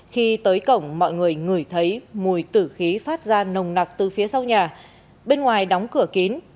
khi tới cổng mọi người ngửi thấy mùi tử khí phát ra nồng nặc từ phía sau nhà bên ngoài đóng cửa kín